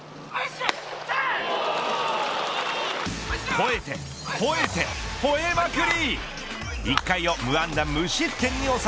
ほえて、ほえて、ほえまくり。